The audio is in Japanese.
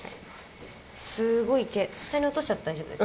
すごい毛下に落としちゃって大丈夫ですか？